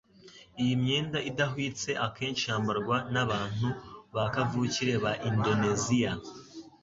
Iyi myenda idahwitse akenshi yambarwa nabantu ba kavukire ba Indoneziya